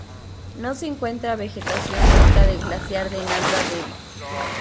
No se encuentra vegetación cerca del glaciar de Nanda Devi.